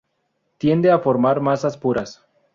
Tiende a formar masas puras.